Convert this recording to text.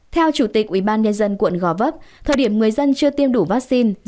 theo chủ tịch ubnd quận gò vấp thời điểm người dân chưa tiêm đủ vaccine